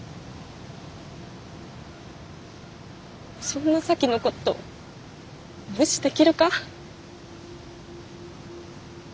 そんな咲妃のこと無視できるか？